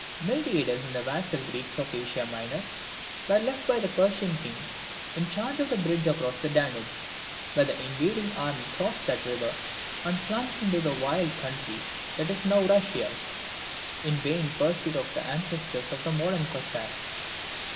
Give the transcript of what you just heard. Miltiades and the vassal Greeks of Asia Minor were left by the Persian king in charge of the bridge across the Danube, when the invading army crossed that river, and plunged into the wilds of the country that now is Russia, in vain pursuit of the ancestors of the modern Cossacks.